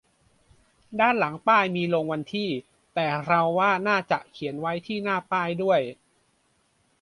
ด้านหลังป้ายมีลงวันที่ แต่เราว่าน่าจะเขียนไว้ที่หน้าป้ายด้วย